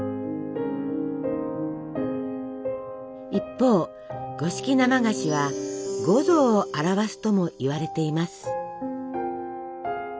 一方五色生菓子は五臓を表すともいわれています。